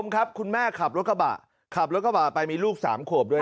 ครับคุณแม่ขับรถกระบะขับรถกระบะไปมีลูก๓ขวบด้วย